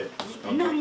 何？